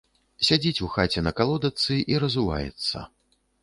Сядзіць у хаце на калодачцы і разуваецца.